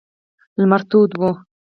لمر تود و.